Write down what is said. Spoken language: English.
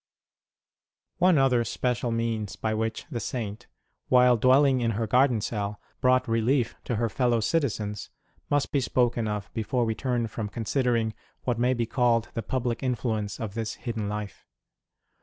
One other special means by which the Saint, while dwelling in her garden cell, brought relief to her fellow citizens must be spoken of before we turn from considering what may be called the public influence of this hidden life.